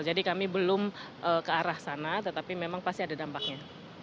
jadi kami belum ke arah sana tetapi memang pasti ada dampaknya